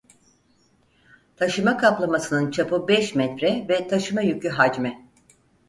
Taşıma kaplamasının çapı beş metre ve taşıma yükü hacmi.